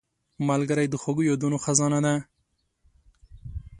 ملګری د خوږو یادونو خزانه ده